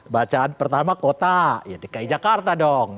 bacaan pertama kota ya dki jakarta dong